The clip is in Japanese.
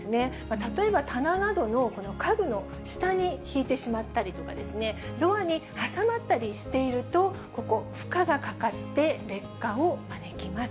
例えば棚などの、この家具の下にひいてしまったり、ドアに挟まったりしていると、ここ、負荷がかかって劣化を招きます。